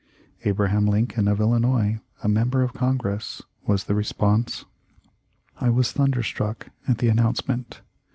"Abraham Lincoln, of Illinois, a member of Con gress," was the response. I was thunderstruck at the announcement.